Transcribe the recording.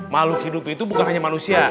makhluk hidup itu bukan hanya manusia